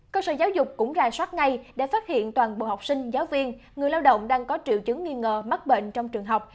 cơ sở giáo dục cũng ra soát ngay để phát hiện toàn bộ học sinh giáo viên người lao động đang có triệu chứng nghi ngờ mắc bệnh trong trường học